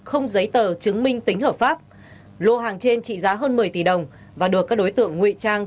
không giấy tờ chứng minh tính hợp pháp lô hàng trên trị giá hơn một mươi tỷ đồng và được các đối tượng nguy trang